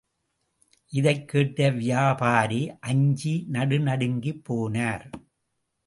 இதைக் கேட்ட வியாபாரி அஞ்சி நடுநடுங்கிப் போனார்.